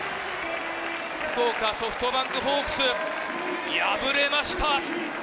福岡ソフトバンクホークス、敗れました。